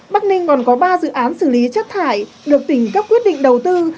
bắc ninh còn có ba dự án xử lý chất thải được tỉnh cấp quyết định đầu tư